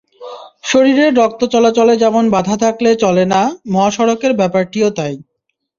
শরীরের রক্ত চলাচলে যেমন বাধা থাকলে চলে না, মহাসড়কের ব্যাপারটিও তা-ই।